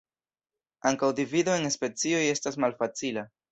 Ankaŭ divido en specioj estas malfacila.